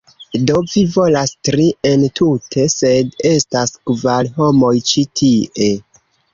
Do, vi volas tri entute, sed estas kvar homoj ĉi tie